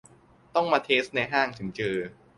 ต้องมาเทสในห้างถึงเจอ